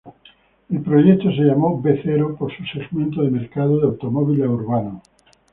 El proyecto se llamó B-Zero por su segmento de mercado de automóviles urbanos.